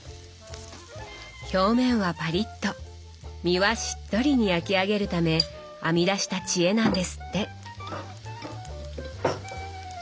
表面はパリッと身はしっとりに焼き上げるため編み出した知恵なんですって。